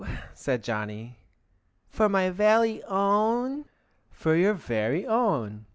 said Johnny. "For my welly own?" "For your very own.